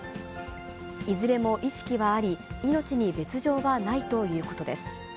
いずれも意識はあり、命に別状はないということです。